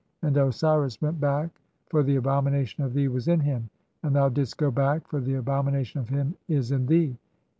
And Osiris "went back, for the abomination of thee was in him ; and thou "didst go back, for the abomination of him is in thee.